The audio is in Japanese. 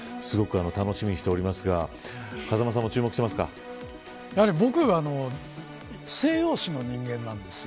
楽しみにしておりますが僕は西洋史の人間なんです。